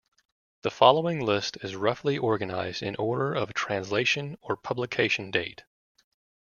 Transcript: The following list is roughly organized in order of translation or publication date.